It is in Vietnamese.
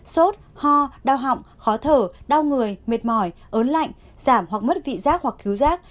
sốt ho đau họng khó thở đau người mệt mỏi ớn lạnh giảm hoặc mất vị giác hoặc cứu giác